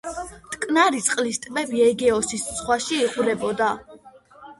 მტკნარი წლის ტბები ეგეოსის ზღვაში იღვრებოდა.